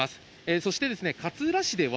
そして勝浦市では、